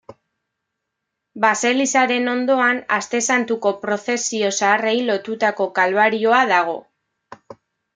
Baselizaren ondoan, Aste Santuko prozesio zaharrei lotutako kalbarioa dago.